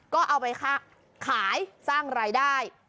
ก็เอาไปขายสร้างรายได้